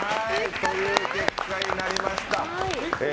こういう結果になりました